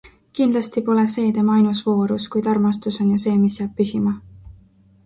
Kindlasti pole see tema ainus voorus, kuid armastus on ju see, mis jääb püsima.